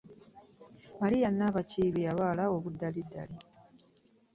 Maria Nabakiibi yalwala obudalidali.